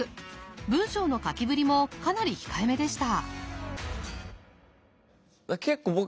文章の書きぶりもかなり控えめでした。